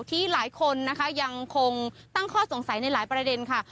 ที่หลายคนนะคะยังคงตั้งข้อสงสัยในหลายประเด็นค่ะ